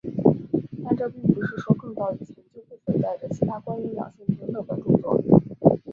但这并不是说更早以前就不存在着其他关于两性平等的着作。